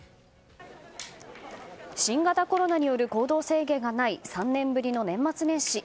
新型コロナによる行動制限がない３年ぶりの年末年始。